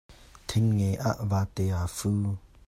Thingnge ah vate aa fu.